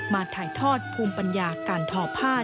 ถ่ายทอดภูมิปัญญาการทอผ้า